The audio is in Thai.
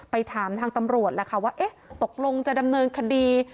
ถามทางตำรวจแล้วค่ะว่าเอ๊ะตกลงจะดำเนินคดี